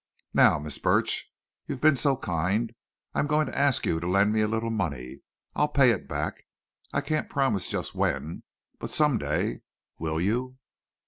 Now, Miss Burch, you've been so kind—I'm going to ask you to lend me a little money. I'll pay it back. I can't promise just when. But some day. Will you?"